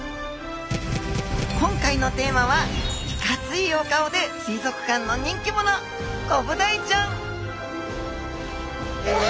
今回のテーマはいかついお顔で水族館の人気者コブダイちゃん！わ！